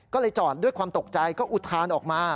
ก็เลยจอดด้วยความตกใจก็อุทานออกมา